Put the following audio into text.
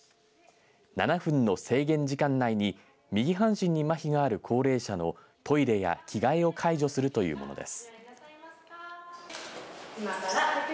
７分の制限時間内に右半身にまひがある高齢者のトイレや着替えを介助するというものです。